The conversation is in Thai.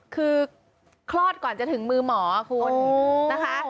คือคลอดก่อนจะถึงมือหมอคุณนะคะ